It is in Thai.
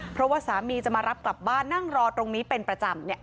เพราะว่าสามีจะมารับกลับบ้านนั่งรอตรงนี้เป็นประจำ